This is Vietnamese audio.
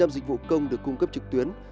một trăm linh dịch vụ công được cung cấp trực tuyến